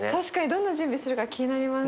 どんな準備するか気になります。